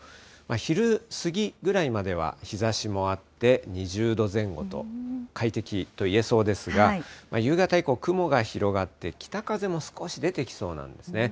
昼過ぎぐらいまでは日ざしもあって、２０度前後と、快適といえそうですが、夕方以降、雲が広がって、北風も少し出てきそうなんですね。